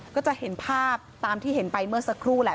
ก็จะเห็นภาพตามที่เห็นไปเมื่อสักครู่แหละ